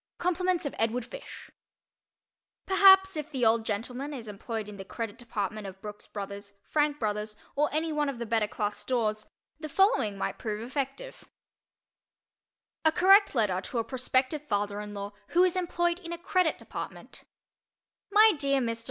_ COMPLIMENTS OF EDWARD FISH Perhaps, if the old gentleman is employed in the Credit Department of Brooks Brothers, Frank Brothers, or any one of the better class stores, the following might prove effective: A Correct Letter to a Prospective Father in Law Who Is Employed in a Credit Department MY DEAR MR.